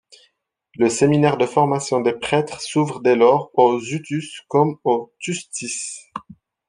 Le séminaire de formation des prêtres s'ouvre dès lors aux Hutus comme aux Tutsis.